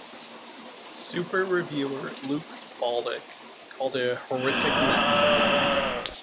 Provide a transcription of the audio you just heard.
Super Reviewer Luke Baldock called it a horrific mess of a movie.